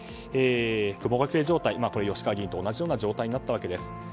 雲隠れ状態、吉川議員と同じような状態となったわけです。